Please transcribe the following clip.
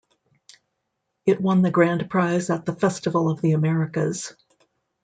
It won the Grand Prize at the Festival of the Americas.